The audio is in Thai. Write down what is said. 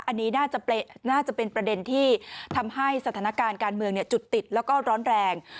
อันนี้น่าจะเป็นประเด็นที่ทำให้สถานการณ์การเมืองจุดติดแล้วก็ร้อนแรง